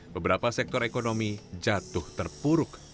beberapa sektor ekonomi jatuh terpuruk